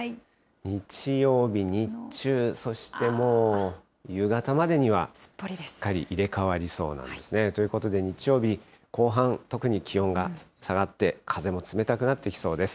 日曜日、日中、そしてもう夕方までには、すっかり入れ代わりそうなんですね。ということで、日曜日後半、特に気温が下がって、風も冷たくなってきそうです。